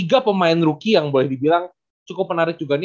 tiga pemain rookie yang boleh dibilang cukup menarik juga ini